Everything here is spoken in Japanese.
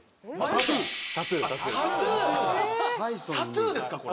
タトゥーですかこれ。